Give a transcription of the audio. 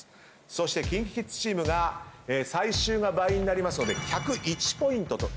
そしてＫｉｎＫｉＫｉｄｓチームが最終が倍になりますので１０１ポイントということになります。